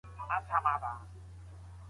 دا نيم سېب دئ.